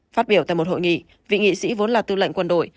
phát biểu tại một hội nghị vị nghị sĩ vốn là tư lệnh quân đội